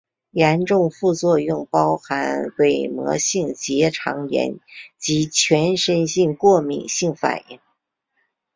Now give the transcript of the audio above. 严重副作用包含伪膜性结肠炎及全身型过敏性反应。